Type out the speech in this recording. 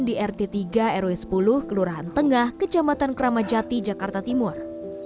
dia juga berada di rt tiga rw sepuluh kelurahan tengah kecamatan kramajati jakarta timur